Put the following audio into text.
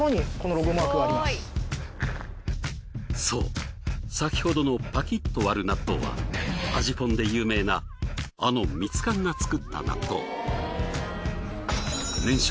そう先ほどのパキッと割る納豆は味ぽんで有名なあのミツカンが作った納豆。